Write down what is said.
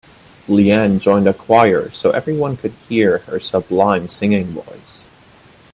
Leanne joined a choir so everyone could hear her sublime singing voice.